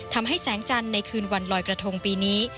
ทำให้แสงจันทร์ในคืนวันลอยกระทงปีนี้